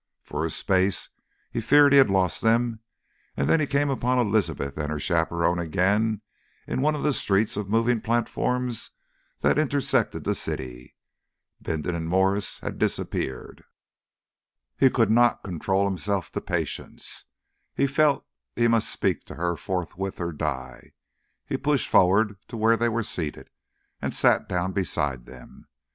For a space he feared he had lost them, and then he came upon Elizabeth and her chaperone again in one of the streets of moving platforms that intersected the city. Bindon and Mwres had disappeared. He could not control himself to patience. He felt he must speak to her forthwith, or die. He pushed forward to where they were seated, and sat down beside them.